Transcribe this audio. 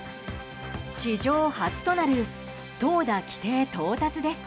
史上初となる投打規定到達です。